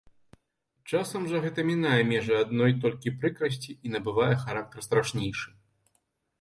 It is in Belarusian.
Часам жа гэта мінае межы адной толькі прыкрасці і набывае характар страшнейшы.